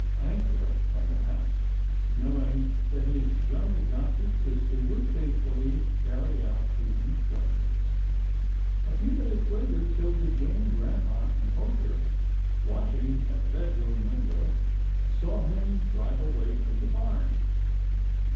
Hank rushed from the house, knowing that his young adopted sister would faithfully carry out his instructions. A few minutes later, 'Tilda Jane, grampa and Poacher watching at the bed room window, saw him drive away from the barn.